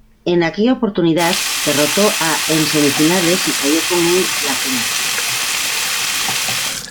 En aquella oportunidad, derrotó a en semifinales y cayó con en la final.